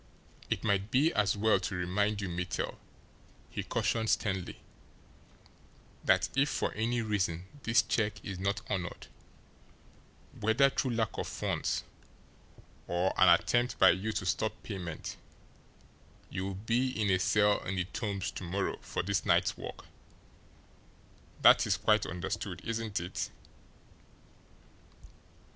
"It might be as well to remind you, Mittel," he cautioned sternly, "that if for any reason this check is not honoured, whether through lack of funds or an attempt by you to stop payment, you'll be in a cell in the Tombs to morrow for this night's work that is quite understood, isn't it?"